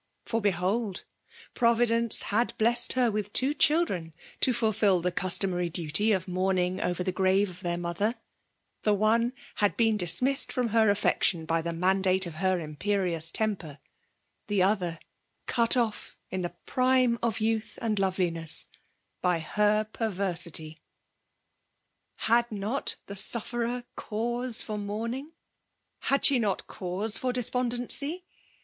for beholdl Ftondenee kad blewod her with two cUldrea to fulfil the caatoiaarj duty of mourning orer the grave of Otm mother :— the one had heen dinaisBed bona her afiection by the mandate of her imperiewa temper— the other cut o£ in the prime of youth and loveline88> by her pervceeityi Had not the sufferer cause for mounung ?•»« Had she npt cause for despondency?